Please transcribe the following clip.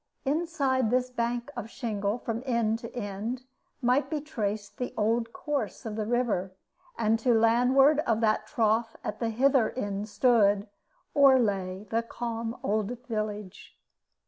Inside this bank of shingle, from end to end, might be traced the old course of the river, and to landward of that trough at the hither end stood, or lay, the calm old village.